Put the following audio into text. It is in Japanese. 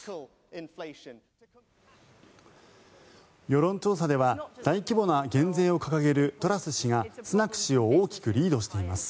世論調査では大規模な減税を掲げるトラス氏がスナク氏を大きくリードしています。